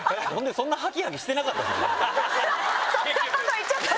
そんなこと言っちゃ駄目！